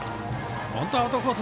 本当アウトコース